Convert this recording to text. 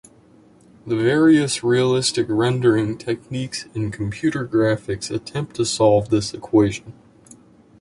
The various realistic rendering techniques in computer graphics attempt to solve this equation.